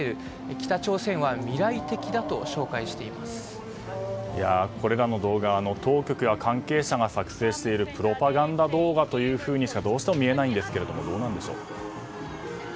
北朝鮮は未来的だとこれらの動画は当局や関係者が作成しているプロパガンダ動画としかみれないんですけどどうでしょうか。